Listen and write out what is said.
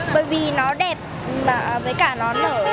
bởi vì nó đẹp và với cả nó nở